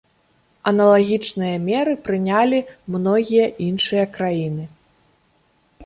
Аналагічныя меры прынялі многія іншыя краіны.